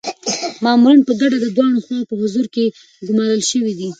مامورین په ګډه د دواړو خواوو په حضور کي ګمارل شوي دي.